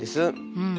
うん。